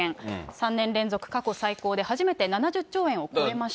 ３年連続過去最高で、初めて７０兆円を超えました。